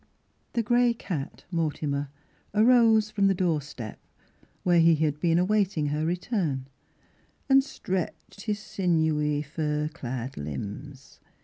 The grey cat, Mortimer, arose from the door step, where he had been awaiting her return, and stretched his sinewy fur clad limbs.